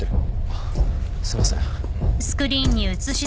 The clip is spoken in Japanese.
あっすいません。